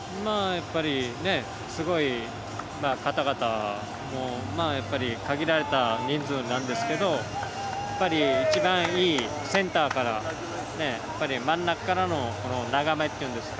すごい方々限られた人数なんですけどやっぱり一番いいセンターから真ん中からの眺めというんですか。